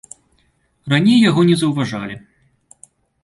Раней яго не заўважалі.